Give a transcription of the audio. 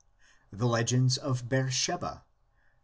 — The legends of Beersheba (xxi.